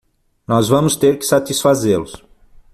Nós vamos ter que satisfazê-los.